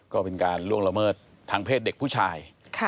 ก็เป็นการล่วงละเมิดทางเพศเด็กผู้ชาย